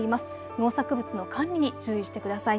農作物の管理に注意してください。